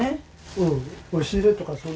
うん。